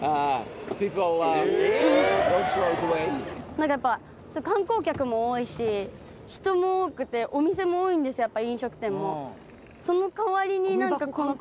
何かやっぱ観光客も多いし人も多くてお店も多いんですやっぱ飲食店も。